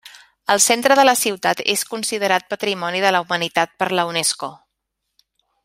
El centre de la ciutat és considerat Patrimoni de la humanitat per la Unesco.